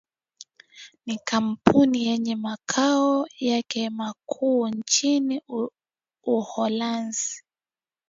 Ni Kmpuni yenye makao yake makuu nchini Uholanzi